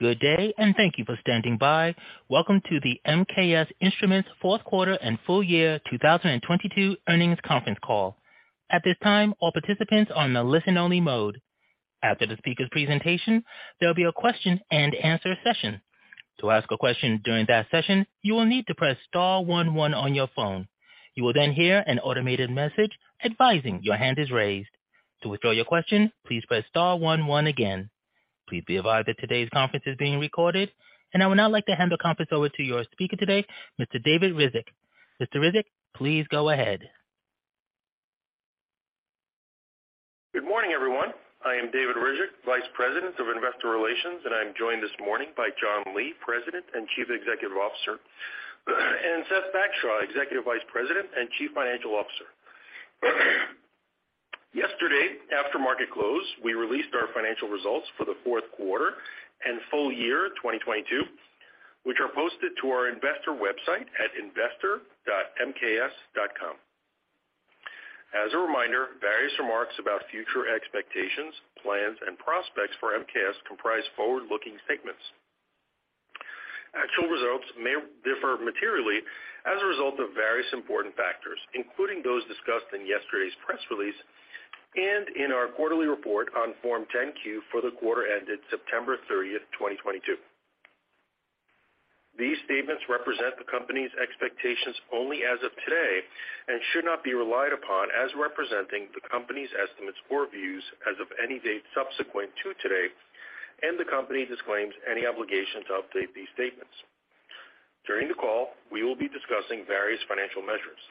Good day, thank you for standing by. Welcome to the MKS Instruments Fourth Quarter and Full Year 2022 Earnings Conference Call. At this time, all participants are on a listen-only mode. After the speaker's presentation, there'll be a question-and-answer session. To ask a question during that session, you will need to press star one one on your phone. You will then hear an automated message advising your hand is raised. To withdraw your question, please press star one one again. Please be advised that today's conference is being recorded. I would now like to hand the conference over to your speaker today, Mr. David Ryzhik. Mr. Ryzhik, please go ahead. Good morning, everyone. I am David Ryzhik, Vice President of Investor Relations, and I'm joined this morning by John Lee, President and Chief Executive Officer, and Seth Bagshaw, Executive Vice President and Chief Financial Officer. Yesterday, after market close, we released our financial results for the fourth quarter and full year 2022, which are posted to our investor website at investor.mks.com. As a reminder, various remarks about future expectations, plans, and prospects for MKS comprise forward-looking statements. Actual results may differ materially as a result of various important factors, including those discussed in yesterday's press release and in our quarterly report on Form 10-Q for the quarter ended September 30th, 2022. These statements represent the company's expectations only as of today and should not be relied upon as representing the company's estimates or views as of any date subsequent to today, and the company disclaims any obligation to update these statements. During the call, we will be discussing various financial measures.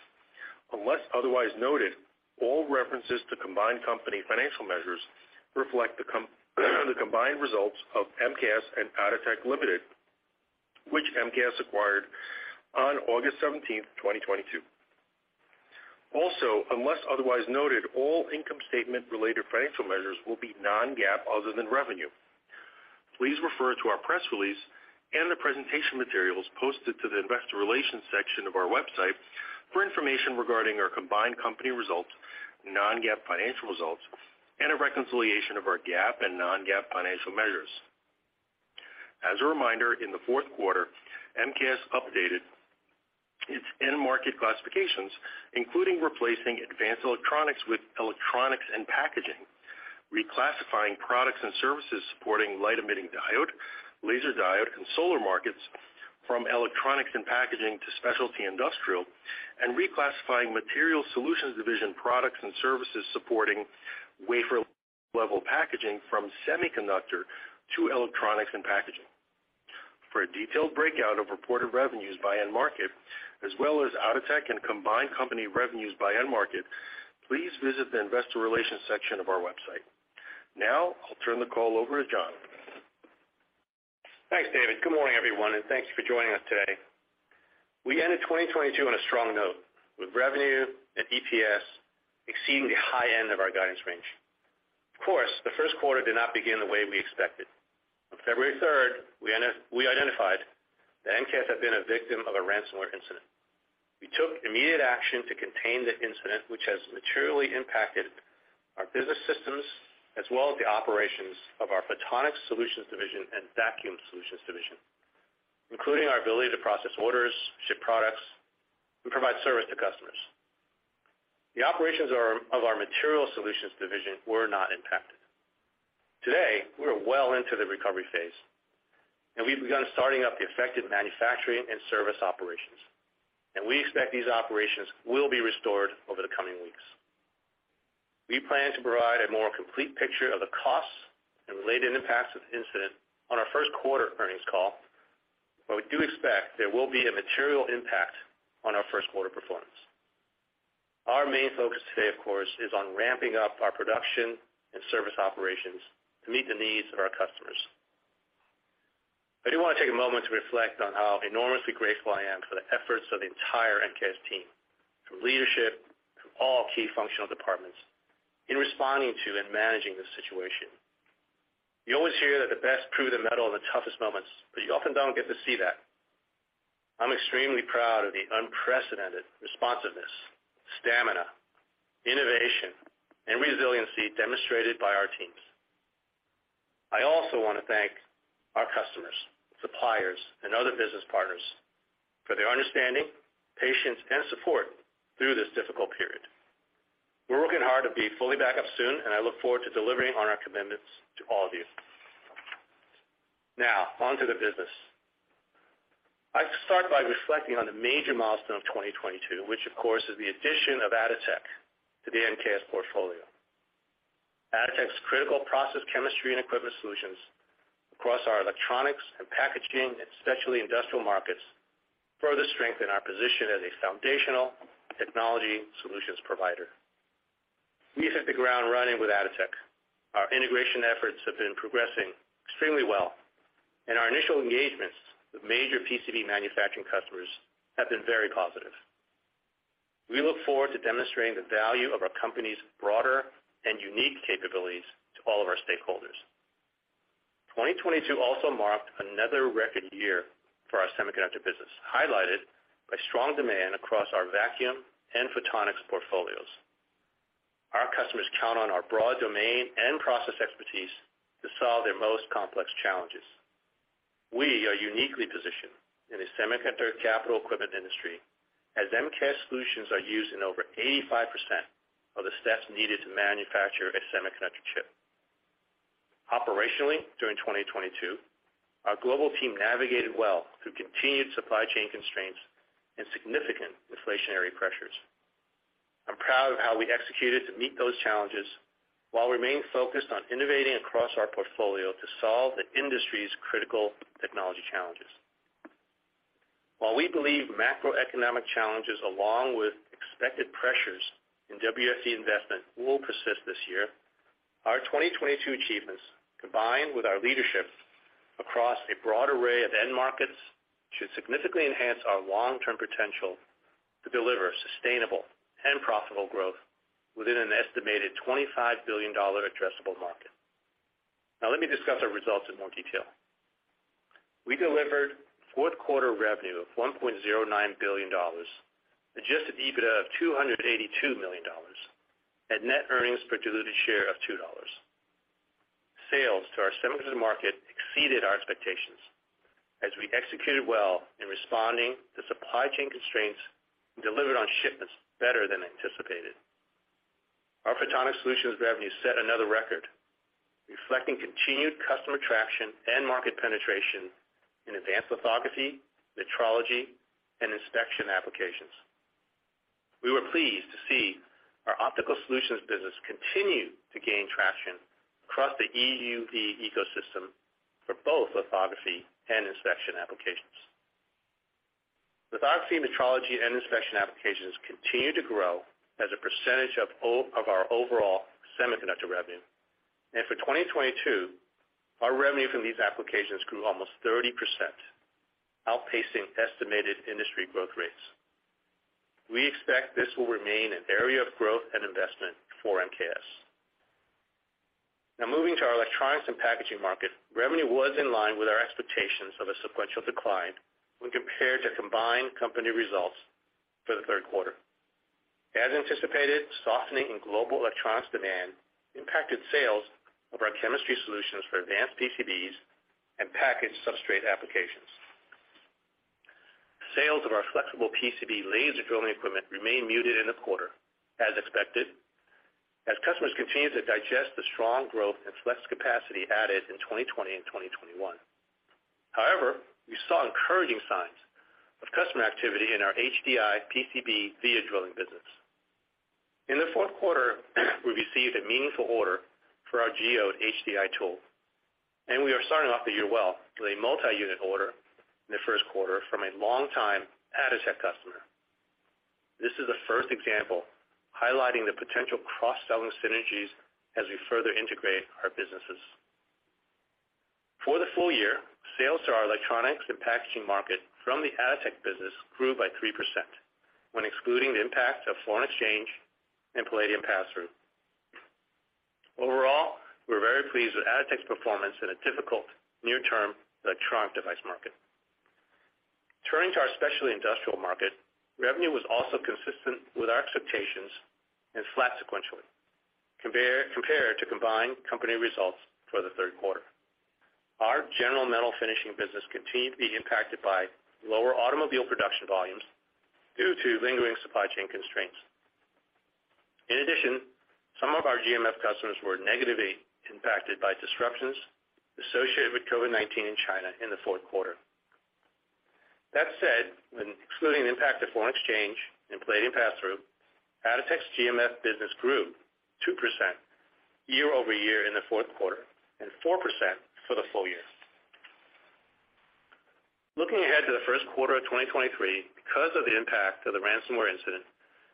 Unless otherwise noted, all references to combined company financial measures reflect the combined results of MKS and Atotech Limited, which MKS acquired on August 17, 2022. Also, unless otherwise noted, all income statement-related financial measures will be non-GAAP other than revenue. Please refer to our press release and the presentation materials posted to the investor relations section of our website for information regarding our combined company results, non-GAAP financial results, and a reconciliation of our GAAP and non-GAAP financial measures. As a reminder, in the fourth quarter, MKS updated its end market classifications, including replacing advanced electronics with electronics and packaging, reclassifying products and services supporting light emitting diode, laser diode, and solar markets from electronics and packaging to specialty industrial, and reclassifying Materials Solutions Division products and services supporting wafer-level packaging from semiconductor to electronics and packaging. For a detailed breakout of reported revenues by end market, as well as Atotech and combined company revenues by end market, please visit the investor relations section of our website. Now, I'll turn the call over to John. Thanks, David. Good morning, everyone, and thank you for joining us today. We ended 2022 on a strong note, with revenue and EPS exceeding the high end of our guidance range. Of course, the first quarter did not begin the way we expected. On February 3rd, we identified that MKS had been a victim of a ransomware incident. We took immediate action to contain the incident, which has materially impacted our business systems as well as the operations of our Photonics Solutions Division and Vacuum Solutions Division, including our ability to process orders, ship products, and provide service to customers. The operations of our Materials Solutions Division were not impacted. Today, we're well into the recovery phase, and we've begun starting up the affected manufacturing and service operations, and we expect these operations will be restored over the coming weeks. We plan to provide a more complete picture of the costs and related impacts of the incident on our first quarter earnings call, we do expect there will be a material impact on our first quarter performance. Our main focus today, of course, is on ramping up our production and service operations to meet the needs of our customers. I do want to take a moment to reflect on how enormously grateful I am for the efforts of the entire MKS team, from leadership to all key functional departments, in responding to and managing this situation. You always hear that the best prove the metal in the toughest moments, you often don't get to see that. I'm extremely proud of the unprecedented responsiveness, stamina, innovation, and resiliency demonstrated by our teams. I also want to thank our customers, suppliers, and other business partners for their understanding, patience, and support through this difficult period. We're working hard to be fully back up soon, and I look forward to delivering on our commitments to all of you. Now, on to the business. I'd start by reflecting on the major milestone of 2022, which of course, is the addition of Atotech to the MKS portfolio. Atotech's critical process chemistry and equipment solutions across our electronics and packaging and specialty industrial markets further strengthen our position as a foundational technology solutions provider. We hit the ground running with Atotech. Our integration efforts have been progressing extremely well, and our initial engagements with major PCB manufacturing customers have been very positive. We look forward to demonstrating the value of our company's broader and unique capabilities to all of our stakeholders. 2022 also marked another record year for our semiconductor business, highlighted by strong demand across our vacuum and photonics portfolios. Our customers count on our broad domain and process expertise to solve their most complex challenges. We are uniquely positioned in the semiconductor capital equipment industry as MKS solutions are used in over 85% of the steps needed to manufacture a semiconductor chip. Operationally, during 2022, our global team navigated well through continued supply chain constraints and significant inflationary pressures. I'm proud of how we executed to meet those challenges while remaining focused on innovating across our portfolio to solve the industry's critical technology challenges. While we believe macroeconomic challenges, along with expected pressures in WFE investment will persist this year, our 2022 achievements, combined with our leadership across a broad array of end markets, should significantly enhance our long-term potential to deliver sustainable and profitable growth within an estimated $25 billion addressable market. Let me discuss our results in more detail. We delivered fourth quarter revenue of $1.09 billion, adjusted EBITDA of $282 million, and net earnings per diluted share of $2. Sales to our semiconductor market exceeded our expectations as we executed well in responding to supply chain constraints and delivered on shipments better than anticipated. Our Photonics Solutions revenue set another record, reflecting continued customer traction and market penetration in advanced lithography, metrology, and inspection applications. We were pleased to see our Optical Solutions business continue to gain traction across the EUV ecosystem for both lithography and inspection applications. Lithography, metrology, and inspection applications continue to grow as a percentage of our overall semiconductor revenue. For 2022, our revenue from these applications grew almost 30%, outpacing estimated industry growth rates. We expect this will remain an area of growth and investment for MKS. Moving to our electronics and packaging market, revenue was in line with our expectations of a sequential decline when compared to combined company results for the third quarter. As anticipated, softening in global electronics demand impacted sales of our chemistry solutions for advanced PCBs and packaged substrate applications. Sales of our flexible PCB laser drilling equipment remained muted in the quarter, as expected, as customers continued to digest the strong growth and flex capacity added in 2020 and 2021. We saw encouraging signs of customer activity in our HDI PCB via drilling business. In the fourth quarter, we received a meaningful order for our Geode HDI tool, we are starting off the year well with a multi-unit order in the first quarter from a longtime Atotech customer. This is the first example highlighting the potential cross-selling synergies as we further integrate our businesses. For the full year, sales to our electronics and packaging market from the Atotech business grew by 3% when excluding the impact of foreign exchange and palladium pass-through. We're very pleased with Atotech's performance in a difficult near-term electronic device market. Turning to our specialty industrial market, revenue was also consistent with our expectations and flat sequentially compared to combined company results for the third quarter. Our general metal finishing business continued to be impacted by lower automobile production volumes due to lingering supply chain constraints. In addition, some of our GMF customers were negatively impacted by disruptions associated with COVID-19 in China in the fourth quarter. That said, when excluding the impact of foreign exchange and palladium pass-through, Atotech's GMF business grew 2% year over year in the fourth quarter and 4% for the full year. Looking ahead to the first quarter of 2023, because of the impact of the ransomware incident,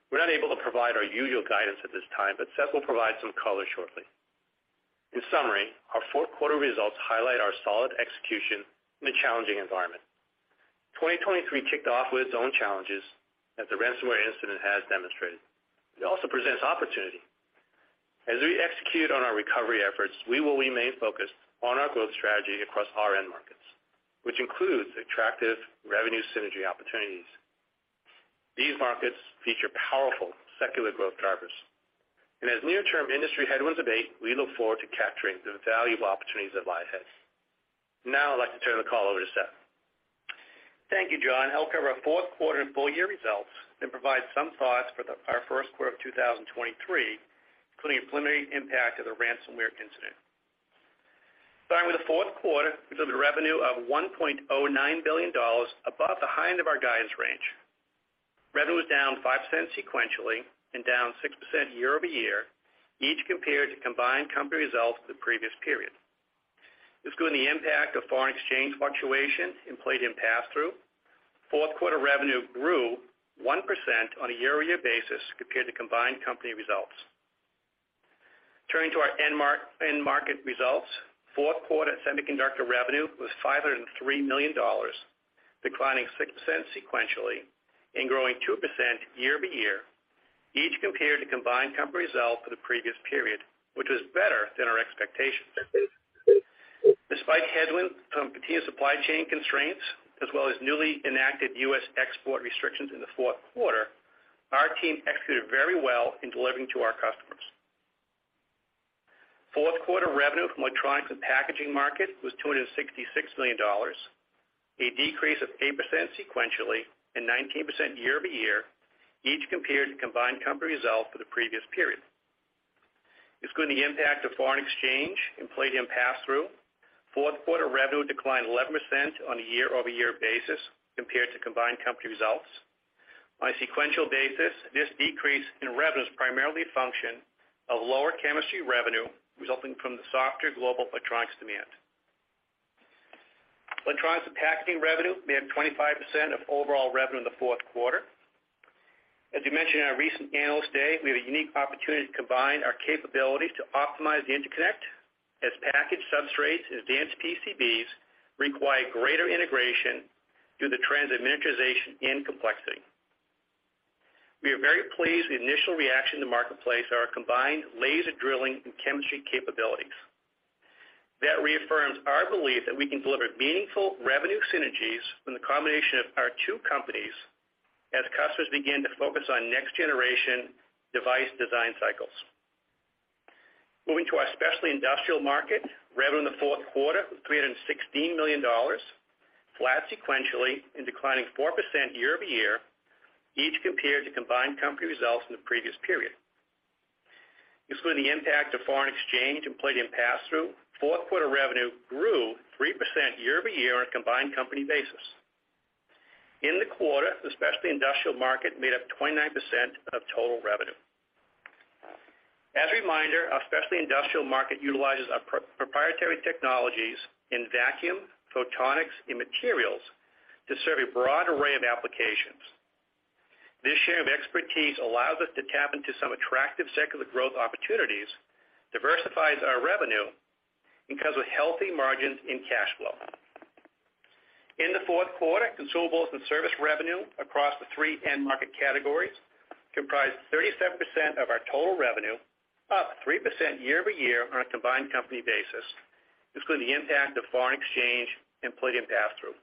we're not able to provide our usual guidance at this time, but Seth will provide some color shortly. In summary, our fourth quarter results highlight our solid execution in a challenging environment. 2023 kicked off with its own challenges, as the ransomware incident has demonstrated. It also presents opportunity. As we execute on our recovery efforts, we will remain focused on our growth strategy across our end markets, which includes attractive revenue synergy opportunities. These markets feature powerful secular growth drivers, and as near-term industry headwinds abate, we look forward to capturing the valuable opportunities that lie ahead. I'd like to turn the call over to Seth. Thank you, John. I'll cover our fourth quarter and full-year results and provide some thoughts for our first quarter of 2023, including the preliminary impact of the ransomware incident. Starting with the fourth quarter, we delivered revenue of $1.09 billion, above the high end of our guidance range. Revenue was down 5% sequentially and down 6% year-over-year, each compared to combined company results for the previous period. Excluding the impact of foreign exchange fluctuations and palladium pass-through, fourth quarter revenue grew 1% on a year-over-year basis compared to combined company results. Turning to our end market results, fourth quarter semiconductor revenue was $503 million, declining 6% sequentially and growing 2% year-over-year, each compared to combined company results for the previous period, which was better than our expectations. Despite headwinds from Patria supply chain constraints, as well as newly enacted U.S. export restrictions in the fourth quarter, our team executed very well in delivering to our customers. Fourth quarter revenue from electronics and packaging market was $266 million, a decrease of 8% sequentially, and 19% year-over-year, each compared to combined company results for the previous period. Excluding the impact of foreign exchange and palladium pass-through, fourth quarter revenue declined 11% on a year-over-year basis compared to combined company results. On a sequential basis, this decrease in revenue is primarily a function of lower chemistry revenue resulting from the softer global electronics demand. Electronics and packaging revenue made up 25% of overall revenue in the fourth quarter. As we mentioned in our recent Analyst Day, we have a unique opportunity to combine our capabilities to optimize the interconnect as packaged substrates and advanced PCBs require greater integration due to trends in miniaturization and complexity. We are very pleased with the initial reaction to the marketplace and our combined laser drilling and chemistry capabilities. That reaffirms our belief that we can deliver meaningful revenue synergies from the combination of our two companies as customers begin to focus on next-generation device design cycles. Moving to our specialty industrial market, revenue in the fourth quarter was $316 million, flat sequentially and declining 4% year-over-year, each compared to combined company results in the previous period. Excluding the impact of foreign exchange and palladium pass-through, fourth quarter revenue grew 3% year-over-year on a combined company basis. In the quarter, the specialty industrial market made up 29% of total revenue. As a reminder, our specialty industrial market utilizes our proprietary technologies in vacuum, photonics, and materials to serve a broad array of applications. This share of expertise allows us to tap into some attractive secular growth opportunities, diversifies our revenue, and comes with healthy margins and cash flow. In the fourth quarter, consumables and service revenue across the three end market categories comprised 37% of our total revenue, up 3% year-over-year on a combined company basis, excluding the impact of foreign exchange and palladium pass-through.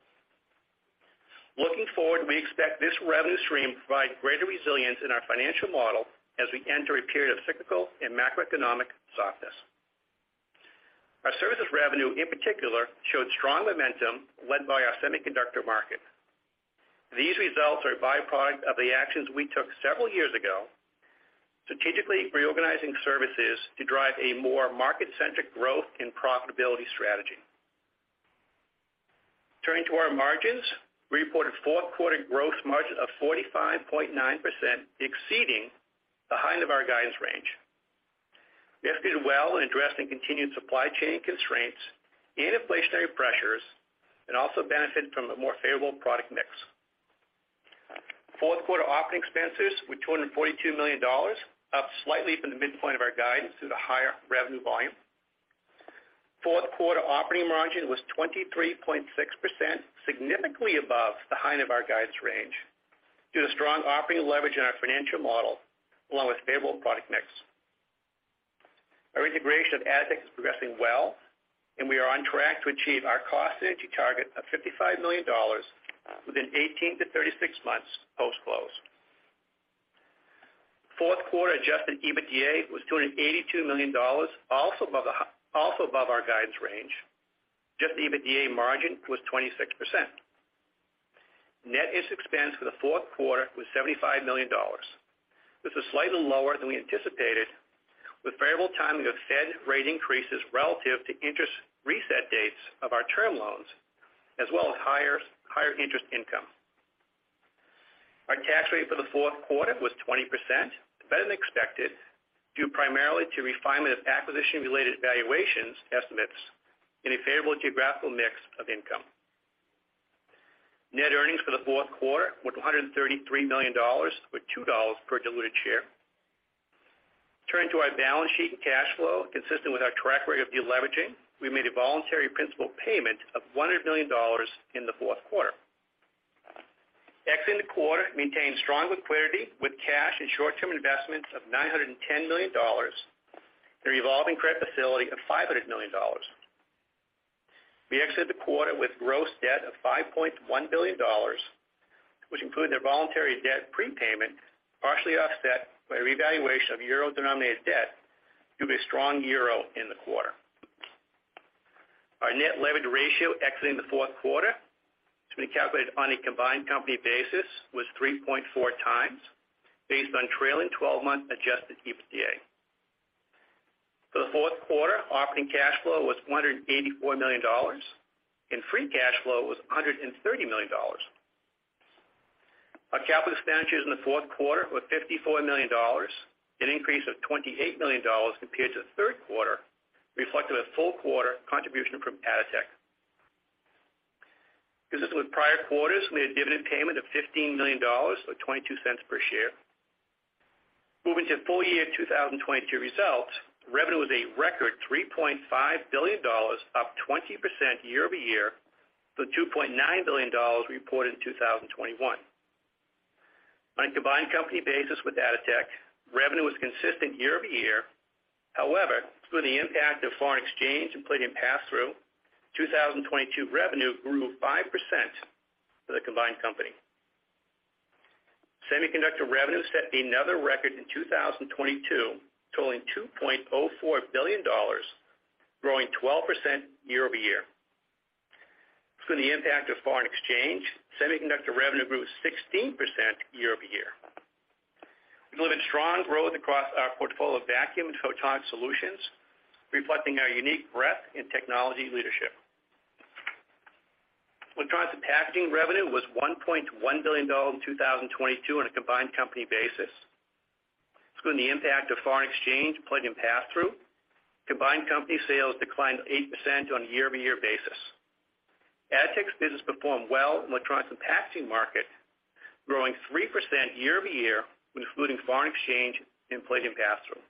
Looking forward, we expect this revenue stream to provide greater resilience in our financial model as we enter a period of cyclical and macroeconomic softness. Our services revenue, in particular, showed strong momentum led by our semiconductor market. These results are a byproduct of the actions we took several years ago, strategically reorganizing services to drive a more market-centric growth and profitability strategy. Turning to our margins, we reported fourth quarter gross margin of 45.9%, exceeding the high end of our guidance range. We executed well in addressing continued supply chain constraints and inflationary pressures, also benefited from a more favorable product mix. Fourth quarter operating expenses were $242 million, up slightly from the midpoint of our guidance due to higher revenue volume. Fourth quarter operating margin was 23.6%, significantly above the high end of our guidance range, due to strong operating leverage in our financial model, along with favorable product mix. Our integration of Atotech is progressing well, we are on track to achieve our cost synergy target of $55 million within 18-36 months post-close. Fourth quarter adjusted EBITDA was $282 million, also above our guidance range. Adjusted EBITDA margin was 26%. Net interest expense for the fourth quarter was $75 million. This was slightly lower than we anticipated, with variable timing of Fed rate increases relative to interest reset dates of our term loans, as well as higher interest income. Our tax rate for the fourth quarter was 20%, better than expected, due primarily to refinement of acquisition-related valuations estimates and a favorable geographical mix of income. Net earnings for the fourth quarter was $133 million, or $2 per diluted share. Consistent with our track record of deleveraging, we made a voluntary principal payment of $100 million in the fourth quarter. Ex in the quarter maintained strong liquidity with cash and short-term investments of $910 million and a revolving credit facility of $500 million. We exited the quarter with gross debt of $5.1 billion, which included a voluntary debt prepayment, partially offset by a revaluation of EUR-denominated debt due to a strong EUR in the quarter. Our net leverage ratio exiting the fourth quarter, which we calculated on a combined company basis, was 3.4x based on trailing 12-month adjusted EBITDA. For the fourth quarter, operating cash flow was $184 million, and free cash flow was $130 million. Our capital expenditures in the fourth quarter were $54 million, an increase of $28 million compared to the third quarter, reflective of full quarter contribution from Atotech. Consistent with prior quarters, we had a dividend payment of $15 million, or $0.22 per share. Moving to full year 2022 results, revenue was a record $3.5 billion, up 20% year-over-year from $2.9 billion reported in 2021. On a combined company basis with Atotech, revenue was consistent year-over-year. Through the impact of foreign exchange and palladium pass-through, 2022 revenue grew 5% for the combined company. Semiconductor revenue set another record in 2022, totaling $2.04 billion, growing 12% year-over-year. Excluding the impact of foreign exchange, semiconductor revenue grew 16% year-over-year. We delivered strong growth across our portfolio of vacuum and photonics solutions, reflecting our unique breadth in technology leadership. Electronics and packaging revenue was $1.1 billion in 2022 on a combined company basis. Excluding the impact of foreign exchange, palladium pass-through, combined company sales declined 8% on a year-over-year basis. Atotech's business performed well in the electronics and packaging market, growing 3% year-over-year when excluding foreign exchange and palladium pass-through.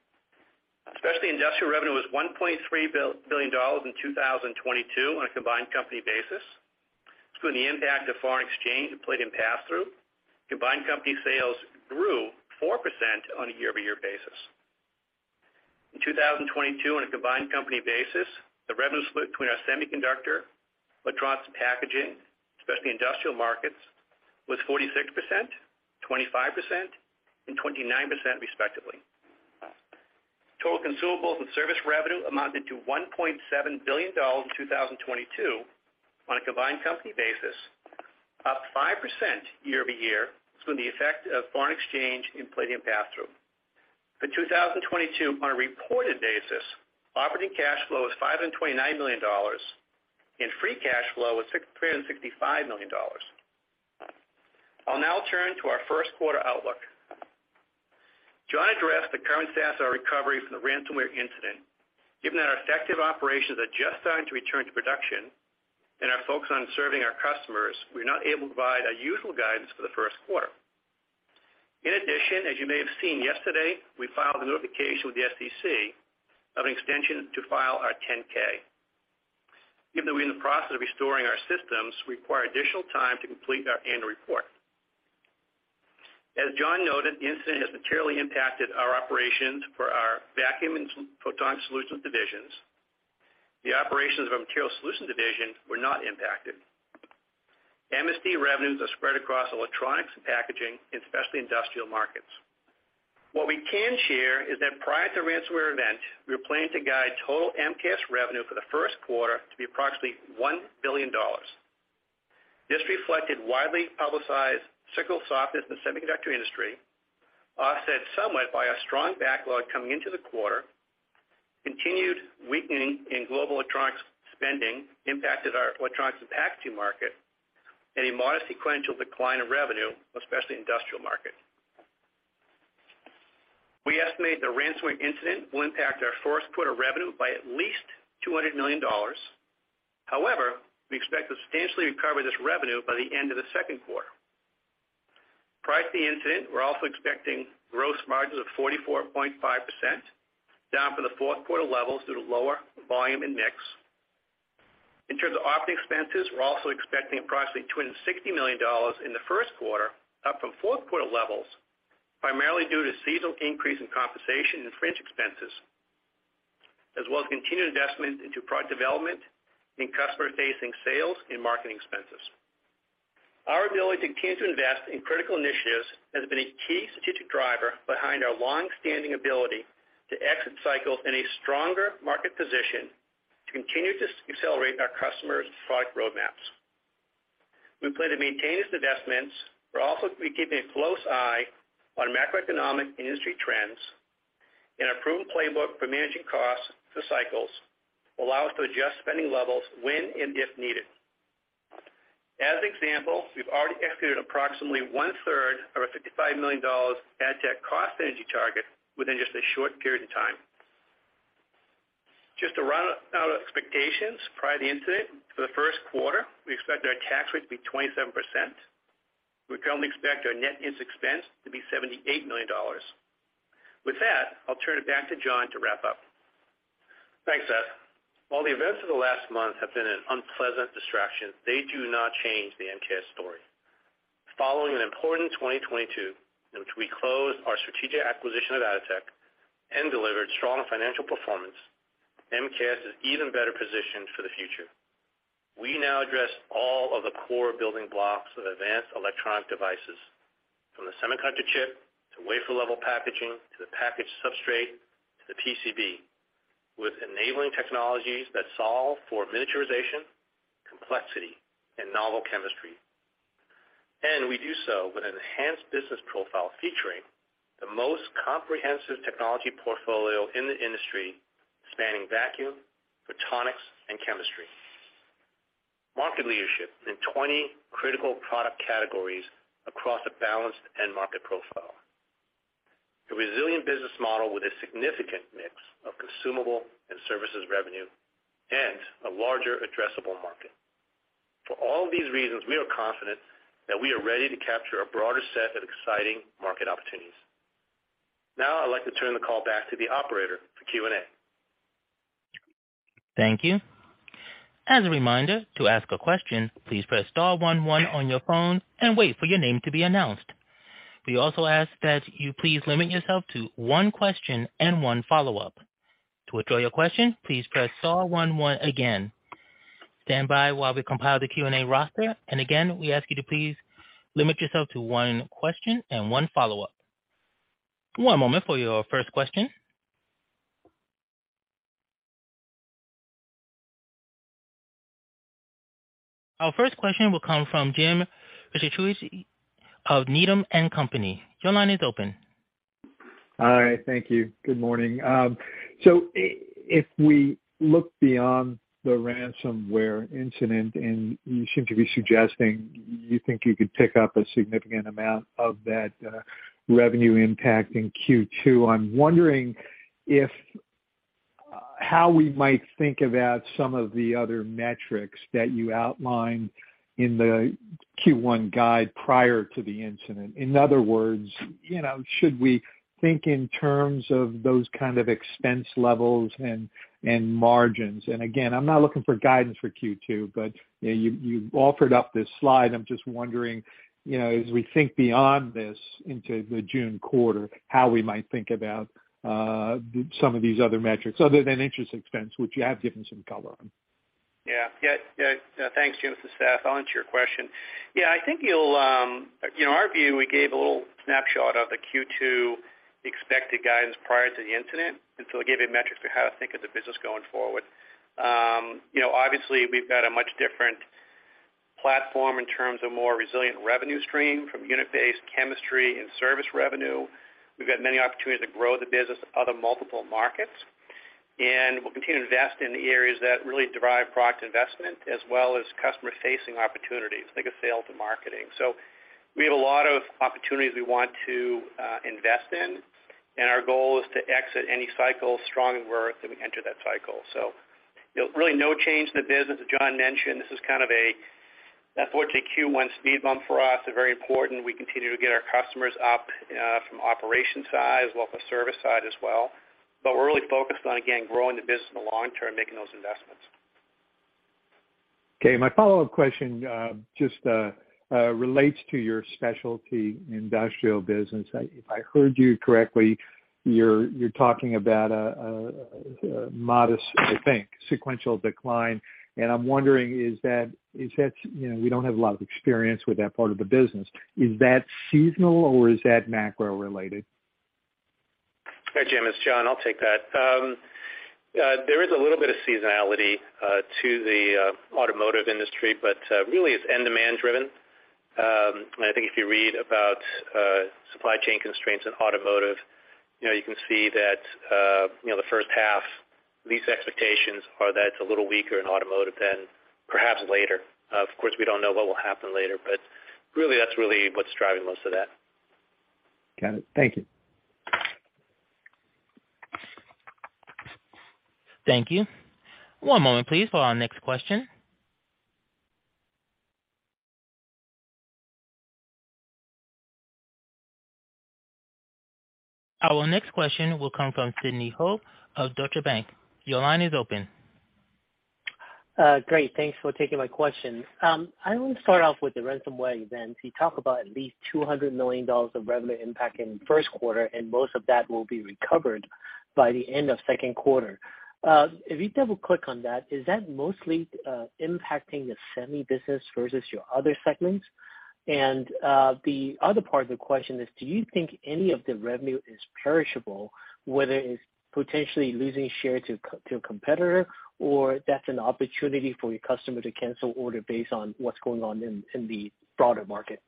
Especially industrial revenue was $1.3 billion in 2022 on a combined company basis, excluding the impact of foreign exchange and palladium pass-through. Combined company sales grew 4% on a year-over-year basis. In 2022, on a combined company basis, the revenue split between our semiconductor, electronics and packaging, especially industrial markets, was 46%, 25%, and 29% respectively. Total consumables and service revenue amounted to $1.7 billion in 2022 on a combined company basis, up 5% year-over-year, excluding the effect of foreign exchange and palladium pass-through. For 2022, on a reported basis, operating cash flow was $529 million, and free cash flow was $365 million. I'll now turn to our first quarter outlook. John addressed the current status of our recovery from the ransomware incident. Given that our affected operations are just starting to return to production and are focused on serving our customers, we're not able to provide our usual guidance for the first quarter. As you may have seen yesterday, we filed a notification with the SEC of an extension to file our 10-K. Given that we're in the process of restoring our systems, we require additional time to complete our annual report. As John noted, the incident has materially impacted our operations for our Vacuum and Photonics Solutions Divisions. The operations of our Materials Solutions Division were not impacted. MSD revenues are spread across electronics and packaging, especially industrial markets. What we can share is that prior to the ransomware event, we were planning to guide total MKS revenue for the first quarter to be approximately $1 billion. This reflected widely publicized cyclical softness in the semiconductor industry, offset somewhat by a strong backlog coming into the quarter, continued weakening in global electronics spending impacted our electronics and packaging market, a modest sequential decline in revenue, especially industrial market. We estimate the ransomware incident will impact our first quarter revenue by at least $200 million. However, we expect to substantially recover this revenue by the end of the second quarter. Prior to the incident, we're also expecting gross margins of 44.5%, down from the fourth quarter levels due to lower volume and mix. In terms of operating expenses, we're also expecting approximately $260 million in the first quarter, up from fourth quarter levels, primarily due to seasonal increase in compensation and fringe expenses, as well as continued investment into product development and customer-facing sales and marketing expenses. Our ability to continue to invest in critical initiatives has been a key strategic driver behind our long-standing ability to exit cycles in a stronger market position to continue to accelerate our customers' product roadmaps. We plan to maintain these investments. We're also keeping a close eye on macroeconomic industry trends, and our proven playbook for managing costs through cycles will allow us to adjust spending levels when and if needed. As an example, we've already executed approximately one-third of our $55 million Atotech cost synergy target within just a short period of time. Just to run out expectations prior to the incident, for the first quarter, we expect our tax rate to be 27%. We currently expect our net interest expense to be $78 million. With that, I'll turn it back to John to wrap up. Thanks, Seth. While the events of the last month have been an unpleasant distraction, they do not change the MKS story. Following an important 2022 in which we closed our strategic acquisition of Atotech and delivered strong financial performance, MKS is even better positioned for the future. We now address all of the core building blocks of advanced electronic devices, from the semiconductor chip, to wafer level packaging, to the packaged substrate, to the PCB, with enabling technologies that solve for miniaturization, complexity, and novel chemistry. We do so with an enhanced business profile featuring the most comprehensive technology portfolio in the industry, spanning vacuum, photonics, and chemistry. Market leadership in 20 critical product categories across a balanced end market profile. A resilient business model with a significant mix of consumable and services revenue, and a larger addressable market. For all these reasons, we are confident that we are ready to capture a broader set of exciting market opportunities. I'd like to turn the call back to the operator for Q&A. Thank you. As a reminder to ask a question, please press star one one on your phone and wait for your name to be announced. We also ask that you please limit yourself to one question and one follow-up. To withdraw your question, please press star one one again. Stand by while we compile the Q&A roster. Again, we ask you to please limit yourself to one question and one follow-up. One moment for your first question. Our first question will come from Jim Ricchiuti of Needham & Company. Your line is open. Hi. Thank you. Good morning. So if we look beyond the ransomware incident, you seem to be suggesting you think you could pick up a significant amount of that revenue impact in Q2. I'm wondering how we might think about some of the other metrics that you outlined in the Q1 guide prior to the incident. In other words, you know, should we think in terms of those kind of expense levels and margins? Again, I'm not looking for guidance for Q2, but, you know, you've offered up this slide. I'm just wondering, you know, as we think beyond this into the June quarter, how we might think about some of these other metrics other than interest expense, which you have given some color on. Yeah. Thanks, Jim. It's Seth. I'll answer your question. I think you know, our view, we gave a little snapshot of the Q2 expected guidance prior to the incident, it gave you metrics for how to think of the business going forward. You know, obviously we've got a much different platform in terms of more resilient revenue stream from unit-based chemistry and service revenue. We've got many opportunities to grow the business in other multiple markets, and we'll continue to invest in the areas that really drive product investment as well as customer-facing opportunities like a sale to marketing. We have a lot of opportunities we want to invest in, and our goal is to exit any cycle stronger than we enter that cycle. You know, really no change in the business, as John mentioned. This is kind of a, unfortunately, Q1 speed bump for us, very important. We continue to get our customers up, from operation side as well as the service side as well. We're really focused on, again, growing the business in the long term, making those investments. Okay. My follow-up question, just relates to your specialty industrial business. If I heard you correctly, you're talking about a modest, I think, sequential decline. I'm wondering. You know, we don't have a lot of experience with that part of the business. Is that seasonal or is that macro related? Hi, Jim, it's John. I'll take that. There is a little bit of seasonality to the automotive industry, but really it's end demand driven. I think if you read about supply chain constraints in automotive, you know, you can see that, you know, the first half, these expectations are that it's a little weaker in automotive than perhaps later. Of course, we don't know what will happen later, but really that's really what's driving most of that. Got it. Thank you. Thank you. One moment please, for our next question. Our next question will come from Sidney Ho of Deutsche Bank. Your line is open. Great. Thanks for taking my question. I want to start off with the ransomware event. You talk about at least $200 million of revenue impact in the first quarter. Most of that will be recovered by the end of second quarter. If you double-click on that, is that mostly impacting the semi business versus your other segments? The other part of the question is, do you think any of the revenue is perishable, whether it's potentially losing share to a competitor or that's an opportunity for your customer to cancel order based on what's going on in the broader market?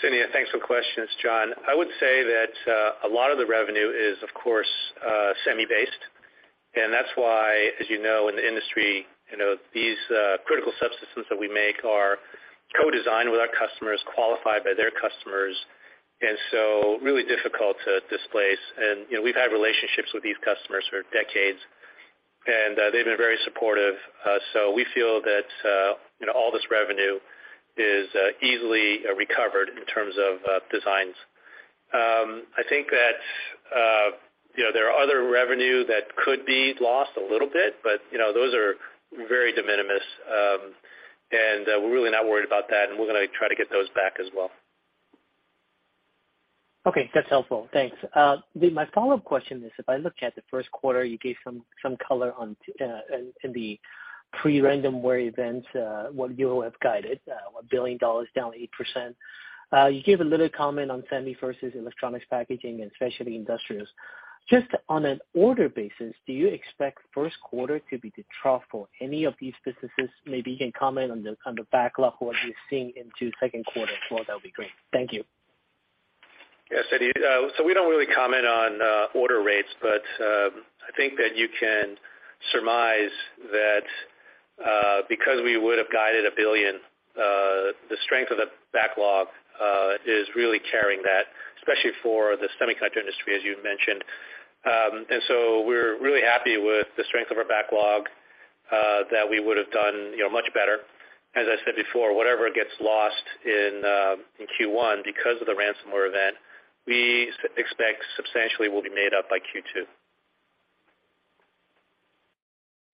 Sidney, thanks for the question. It's John. I would say that a lot of the revenue is of course semi-based. That's why, as you know, in the industry, you know, these critical subsystems that we make are co-designed with our customers, qualified by their customers, and so really difficult to displace. You know, we've had relationships with these customers for decades, they've been very supportive. We feel that, you know, all this revenue is easily recovered in terms of designs. I think that, you know, there are other revenue that could be lost a little bit, but, you know, those are very de minimis. We're really not worried about that, and we're gonna try to get those back as well. Okay. That's helpful. Thanks. My follow-up question is, if I look at the first quarter, you gave some color on in the pre-ransomware events, what you have guided, $1 billion down 8%. You gave a little comment on semi versus electronics packaging and specialty industrials. Just on an order basis, do you expect first quarter to be the trough for any of these businesses? Maybe you can comment on the backlog, what you're seeing into second quarter as well. That would be great. Thank you. Sidney, we don't really comment on order rates. I think that you can surmise that because we would have guided $1 billion, the strength of the backlog is really carrying that, especially for the semiconductor industry, as you mentioned. We're really happy with the strength of our backlog. That we would have done, you know, much better. As I said before, whatever gets lost in Q1 because of the ransomware event, we expect substantially will be made up by Q2.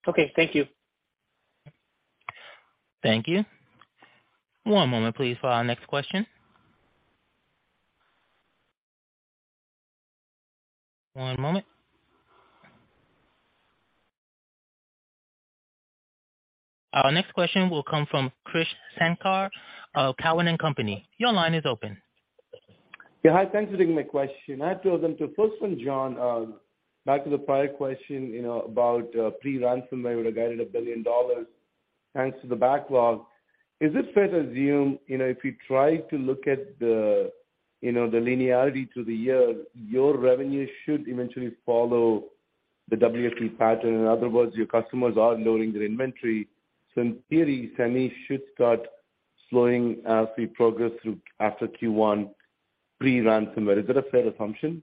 Okay. Thank you. Thank you. One moment please for our next question. One moment. Our next question will come from Krish Sankar of Cowen and Company. Your line is open. Yeah. Hi, thanks for taking my question. I have two of them. First one, John, back to the prior question, you know, about pre-ransomware, you would have guided $1 billion thanks to the backlog. Is it fair to assume, you know, if you try to look at the, you know, the linearity to the year, your revenue should eventually follow the WFE pattern, in other words, your customers are lowering their inventory. In theory, semi should start slowing as we progress through after Q1 pre-ransomware. Is that a fair assumption?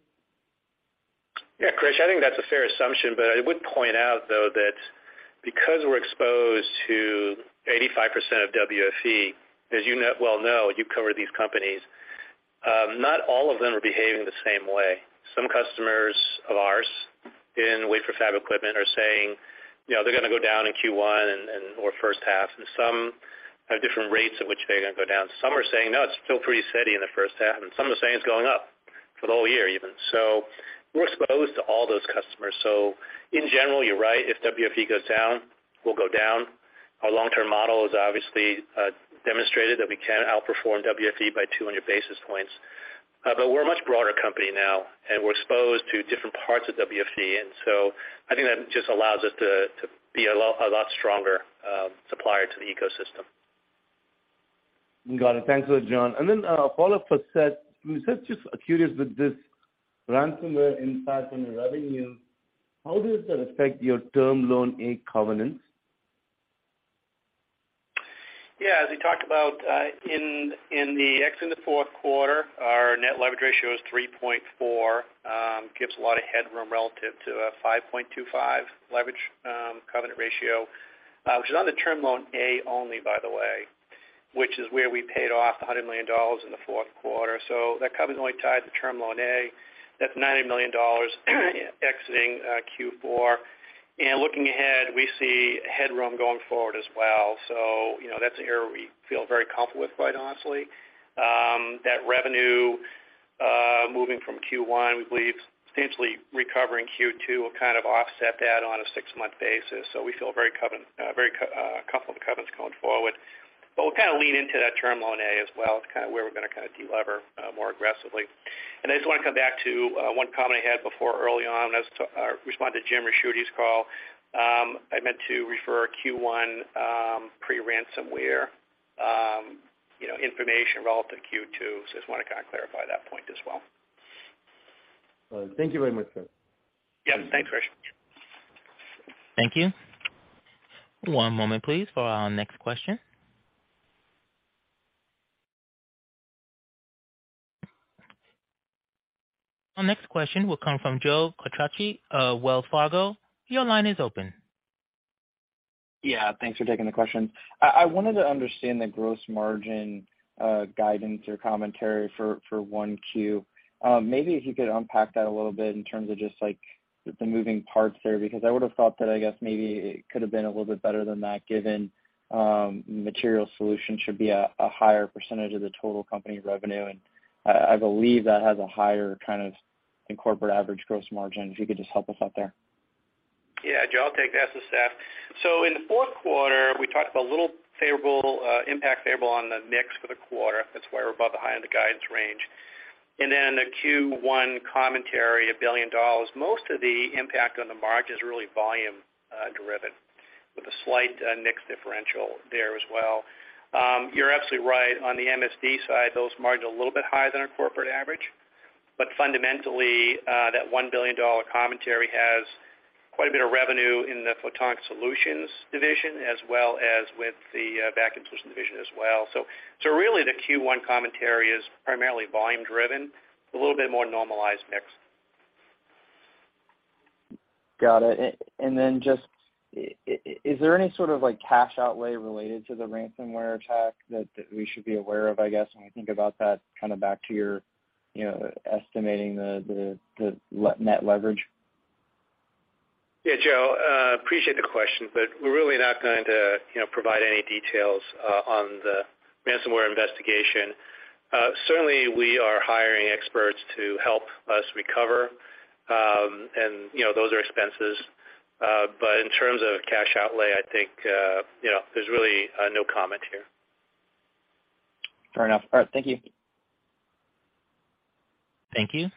Krish, I think that's a fair assumption, but I would point out though that because we're exposed to 85% of WFE, as you well know, you cover these companies, not all of them are behaving the same way. Some customers of ours in wafer fab equipment are saying, you know, they're gonna go down in Q1 and/or first half, and some have different rates at which they're gonna go down. Some are saying, no, it's still pretty steady in the first half, and some are saying it's going up for the whole year even. We're exposed to all those customers. In general, you're right. If WFE goes down, we'll go down. Our long-term model has obviously demonstrated that we can outperform WFE by 200 basis points. We're a much broader company now, and we're exposed to different parts of WFE. I think that just allows us to be a lot stronger supplier to the ecosystem. Got it. Thanks a lot, John. A follow-up for Seth. Seth, just curious with this ransomware impact on the revenue, how does that affect your Term Loan A covenants? Yeah. As we talked about, exiting the fourth quarter, our net leverage ratio is 3.4x gives a lot of headroom relative to a 5.25x leverage covenant ratio, which is on the Term Loan A only, by the way, which is where we paid off $100 million in the fourth quarter. That covenant only tied the Term Loan A. That's $90 million exiting Q4. Looking ahead, we see headroom going forward as well. You know, that's an area we feel very comfortable with, quite honestly. That revenue moving from Q1, we believe substantially recovering Q2 will kind of offset that on a six-month basis. We feel very comfortable with the covenants going forward. We'll kind of lean into that Term Loan A as well. It's kind of where we're gonna kind of de-lever more aggressively. I just wanna come back to one comment I had before early on as to respond to Jim Ricchiuti's call. I meant to refer Q1 pre-ransomware, you know, information relevant to Q2. Just wanna kind of clarify that point as well. Thank you very much, Seth. Yeah. Thanks, Krish. Thank you. One moment, please, for our next question. Our next question will come from Joe Quatrochi of Wells Fargo. Your line is open. Yeah. Thanks for taking the question. I wanted to understand the gross margin guidance or commentary for 1Q. Maybe if you could unpack that a little bit in terms of just like the moving parts there, because I would have thought that, I guess maybe it could have been a little bit better than that given, Materials Solutions should be a higher percentage of the total company revenue. I believe that has a higher kind of incorporate average gross margin, if you could just help us out there. Yeah, Joe, I'll take that. It's Seth. In the fourth quarter, we talked about a little favorable impact favorable on the mix for the quarter. That's why we're above the high end of the guidance range. The Q1 commentary, $1 billion. Most of the impact on the margin is really volume driven with a slight mix differential there as well. You're absolutely right. On the MSD side, those margin a little bit higher than our corporate average. Fundamentally, that $1 billion commentary has quite a bit of revenue in the Photonics Solutions Division as well as with the Vacuum Solutions Division as well. So really, the Q1 commentary is primarily volume driven with a little bit more normalized mix. Got it. Then just, is there any sort of like cash outlay related to the ransomware attack that we should be aware of, I guess, when we think about that kind of back to your, you know, estimating the net leverage? Yeah, Joe, appreciate the question, but we're really not going to, you know, provide any details on the ransomware investigation. Certainly, we are hiring experts to help us recover, and, you know, those are expenses. In terms of cash outlay, I think, you know, there's really no comment here. Fair enough. All right. Thank you. Thank you.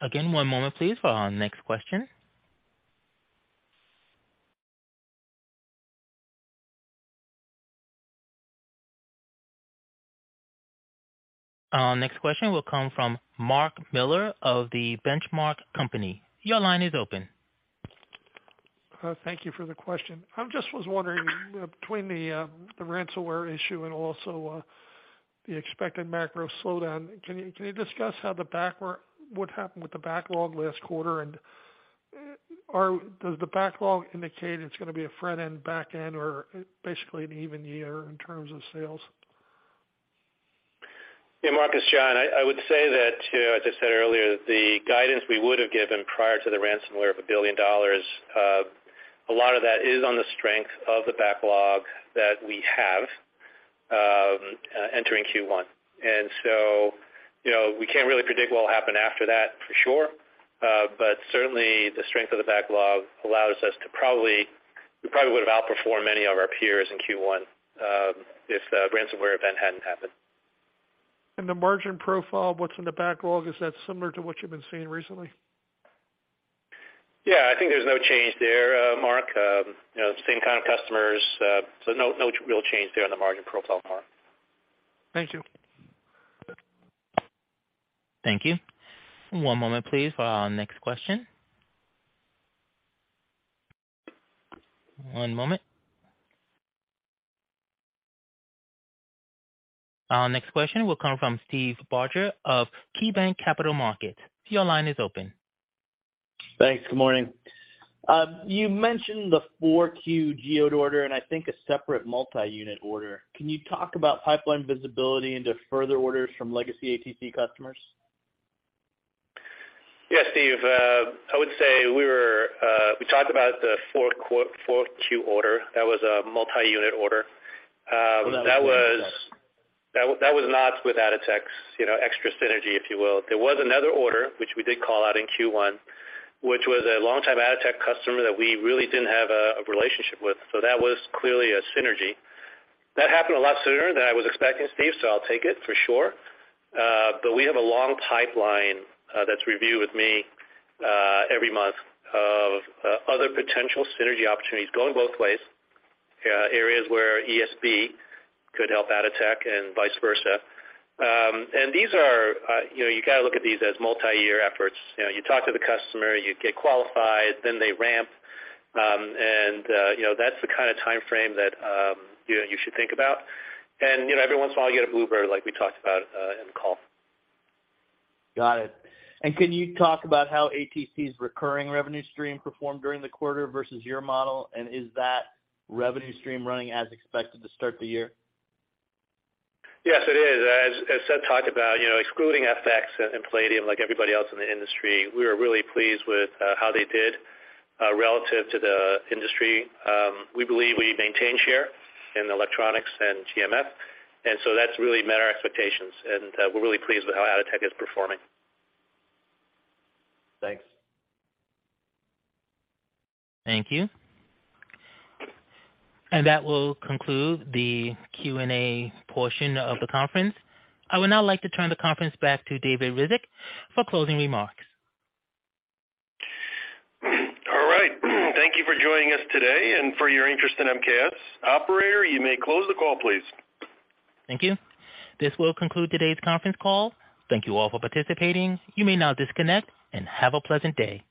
Again, one moment please for our next question. Our next question will come from Mark Miller of The Benchmark Company. Your line is open. Thank you for the question. I just was wondering between the ransomware issue and also The expected macro slowdown, can you discuss how what happened with the backlog last quarter? Does the backlog indicate it's gonna be a front-end, back-end or basically an even year in terms of sales? Yeah, Mark, it's John. I would say that, you know, as I said earlier, the guidance we would have given prior to the ransomware of $1 billion, a lot of that is on the strength of the backlog that we have, entering Q1. You know, we can't really predict what will happen after that for sure. Certainly the strength of the backlog allows us to we probably would have outperformed many of our peers in Q1 if the ransomware event hadn't happened. The margin profile, what's in the backlog, is that similar to what you've been seeing recently? I think there's no change there, Mark. You know, same kind of customers. No, no real change there on the margin profile, Mark. Thank you. Thank you. One moment please for our next question. One moment. Our next question will come from Steve Barger of KeyBanc Capital Markets. Your line is open. Thanks. Good morning. You mentioned the Q4 Geode order and I think a separate multi-unit order. Can you talk about pipeline visibility into further orders from legacy ATC customers? Yeah, Steve, I would say we talked about the 4Q order that was a multi-unit order. That was not with Atotech, you know, extra synergy, if you will. There was another order, which we did call out in Q1, which was a longtime Atotech customer that we really didn't have a relationship with. That was clearly a synergy. That happened a lot sooner than I was expecting, Steve, so I'll take it for sure. We have a long pipeline, that's reviewed with me, every month of other potential synergy opportunities going both ways. Areas where ESI could help Atotech and vice versa. These are, you know, you gotta look at these as multi-year efforts. You know, you talk to the customer, you get qualified, then they ramp. You know, that's the kind of timeframe that, you know, you should think about. you know, every once in a while you get a bluebird like we talked about, in the call. Got it. Can you talk about how ATC's recurring revenue stream performed during the quarter versus your model? Is that revenue stream running as expected to start the year? Yes, it is. As Seth talked about, you know, excluding FX and Palladium, like everybody else in the industry, we are really pleased with how they did relative to the industry. We believe we maintained share in electronics and GMF, and so that's really met our expectations, and we're really pleased with how Atotech is performing. Thanks. Thank you. That will conclude the Q&A portion of the conference. I would now like to turn the conference back to David Ryzhik for closing remarks. All right. Thank you for joining us today and for your interest in MKS. Operator, you may close the call, please. Thank you. This will conclude today's conference call. Thank you all for participating. You may now disconnect and have a pleasant day.